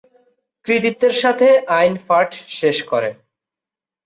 কৃতিত্বের সাথে আইন পাঠ শেষ করেন।